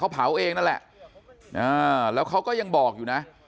เขาเผาเองนั่นแหละแล้วเขาก็ยังบอกอยู่นะ